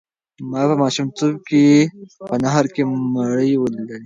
ما په ماشومتوب کې په نهر کې مړي ولیدل.